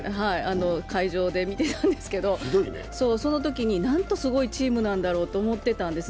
会場で見てたんですけど、そのときに、なんとすごいチームなんだろうと思ってたんです。